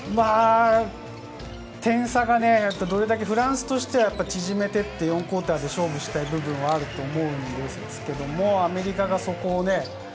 点差がね、どれだけフランスとしては縮めていって、４クオーターで勝負したい部分はあると思うんですけど、アメリカがそこをね。